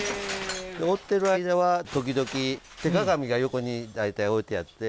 織ってる間は時々手鏡が横に大体置いてあって。